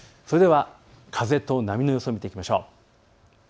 それでは風と波の様子を見ていきましょう。